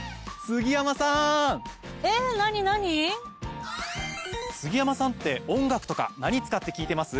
杉山さんって音楽とか何使って聞いてます？